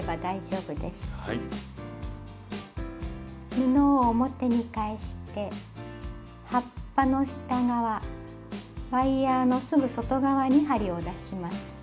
布を表に返して葉っぱの下側ワイヤーのすぐ外側に針を出します。